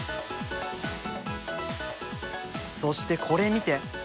そしてこれ見て！